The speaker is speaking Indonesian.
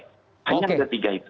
hanya ada tiga itu